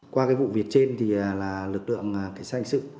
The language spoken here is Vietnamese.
qua cái vụ việc trên thì là lực lượng cái xanh sự